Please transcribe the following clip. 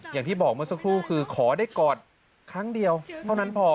อย่างที่บอกเมื่อสักครู่คือขอได้กอดครั้งเดียวเท่านั้นพอ